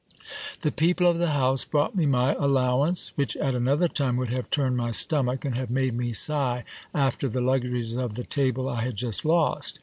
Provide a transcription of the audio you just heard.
The people of the house brought me my allowance, which at another time would have turned my stomach, and have made me sigh after the luxuries of the table I had just lost.